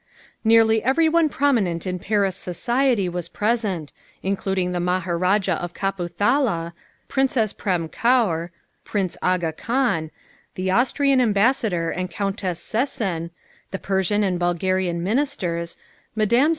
"Nearly everyone prominent in Paris society was present, including the Maharajah of Kapurthala, Princess Prem Kaur, Prince Aga Khan, the Austrian Ambassador and Countess Szecsen, the Persian and Bulgarian Ministers, Mme.